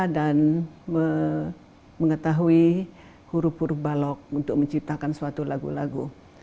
dan mengetahui huruf huruf balok untuk menciptakan suatu lagu lagu